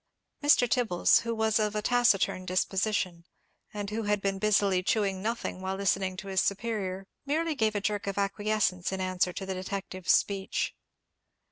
Mr. Tibbles, who was of a taciturn disposition, and who had been busily chewing nothing while listening to his superior, merely gave a jerk of acquiescence in answer to the detective's speech.